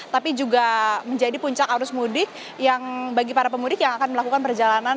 tapi juga menjadi puncak arus mudik yang bagi para pemudik yang akan melakukan perjalanan